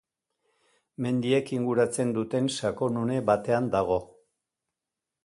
Mendiek inguratzen duten sakonune batean dago.